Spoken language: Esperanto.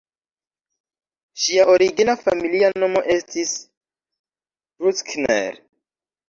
Ŝia origina familia nomo estis "Bruckner".